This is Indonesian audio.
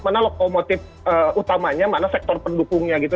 mana lokomotif utamanya mana sektor pendukungnya gitu